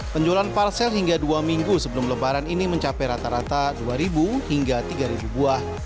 penjualan parsel hingga dua minggu sebelum lebaran ini mencapai rata rata dua hingga tiga buah